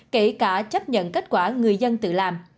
kể cả chấp nhận kết quả người dân tự làm